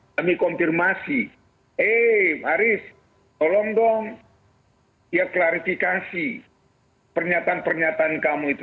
kami konfirmasi eh aris tolong dong ya klarifikasi pernyataan pernyataan kamu itu